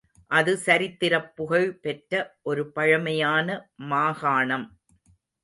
அது சரித்திரப் புகழ் பெற்ற ஒரு பழமையான மாகாணம்.